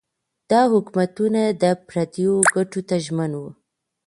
دا حکومتونه د پردیو ګټو ته ژمن وو.